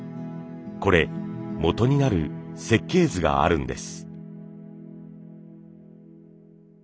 これもとになる設計図があるんです。